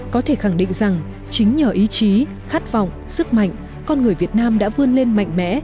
có thể khẳng định rằng chính nhờ ý chí khát vọng sức mạnh con người việt nam đã vươn lên mạnh mẽ